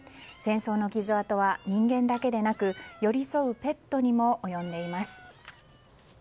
戦争の傷跡は人間だけでなく寄り添うペットにも及んでいます。